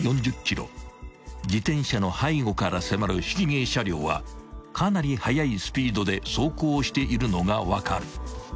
［自転車の背後から迫るひき逃げ車両はかなり速いスピードで走行しているのが分かる］